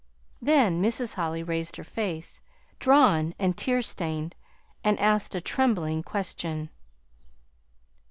Then Mrs. Holly raised her face, drawn and tear stained, and asked a trembling question.